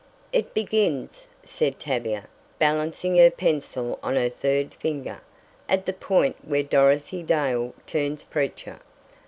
"It begins," said Tavia, balancing her pencil on her third finger, "at the point where Dorothy Dale turns preacher.